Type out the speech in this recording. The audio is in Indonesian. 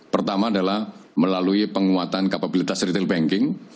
pertama adalah melalui penguatan kapabilitas retail banking